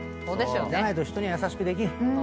じゃないと人には優しくできん。